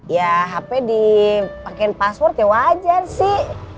ya hp dipakaiin password ya wajar sih